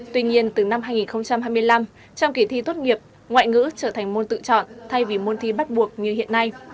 tuy nhiên từ năm hai nghìn hai mươi năm trong kỳ thi tốt nghiệp ngoại ngữ trở thành môn tự chọn thay vì môn thi bắt buộc như hiện nay